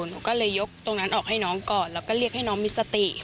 หนูก็เลยยกตรงนั้นออกให้น้องก่อนแล้วก็เรียกให้น้องมีสติ